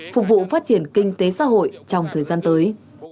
phục vụ phát triển kinh tế xã hội trong thời gian tới